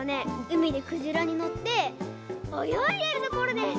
うみでくじらにのっておよいでるところです！